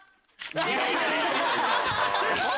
いやいや！